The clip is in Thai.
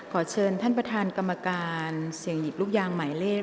ขอเชิญท่านประธานกรรมการเสี่ยงหยิบลูกยางหมายเลข